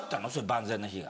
万全な日が。